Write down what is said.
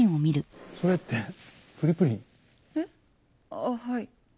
あっはい。